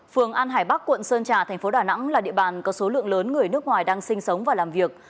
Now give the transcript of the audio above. phường an hải bắc quận sơn trà thành phố đà nẵng là địa bàn có số lượng lớn người nước ngoài đang sinh sống và làm việc